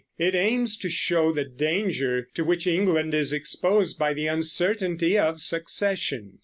It aims to show the danger to which England is exposed by the uncertainty of succession.